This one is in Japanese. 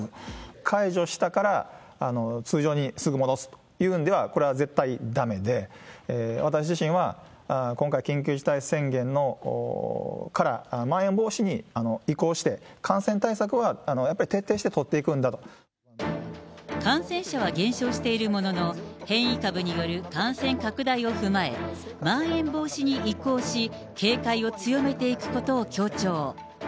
解除したから通常にすぐ戻すというのでは、これは絶対だめで、私自身は今回、緊急事態宣言からまん延防止に移行して、感染対策はやっぱり徹底感染者は減少しているものの、変異株による感染拡大を踏まえ、まん延防止に移行し、警戒を強めていくことを強調。